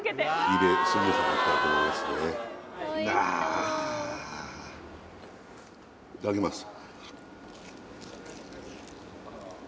いただきます